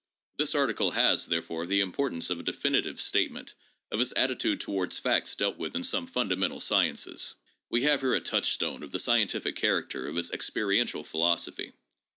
This article has therefore the im portance of a definitive statement of his attitude towards facts dealt with in some fundamental sciences. We have here a touch stone of the scientific character of his experiential philosophy.